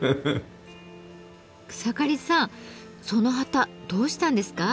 草刈さんその旗どうしたんですか？